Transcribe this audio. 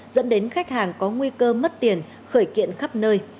dẫn đến khách hàng có nguy cơ mất tiền khởi kiện khắp nơi